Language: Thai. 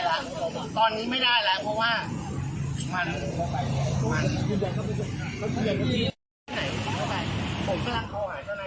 อยากน้ำใบกับความดีกับพระนามมันเป็นเนอะ